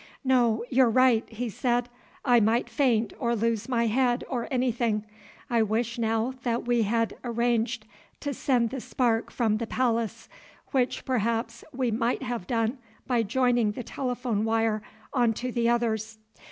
"No, you're right," he said; "I might faint or lose my head or anything. I wish now that we had arranged to send the spark from the palace, which perhaps we might have done by joining the telephone wire on to the others.